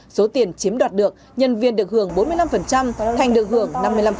số tiền chiếm đoạt được nhân viên được gưởng bốn mươi năm thành được gưởng năm mươi năm